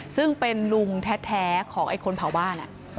ซึ่งเป็นลุงแท้ของไอ้คนเผาบ้าน